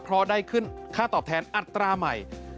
เพราะได้ขึ้นค่าตอบแทนอัตราใหม่